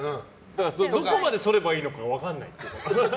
どこまでそればいいのかが分からない。